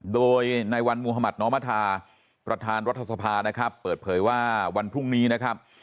โดยในวันมุธมัธนอมธาประธานรัฐสภานะครับเปิดเผยว่าวันพรุ่งนี้นะครับ